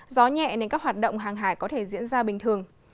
gió nhẹ nên các hoạt động hàng hải có thể diễn ra bình thường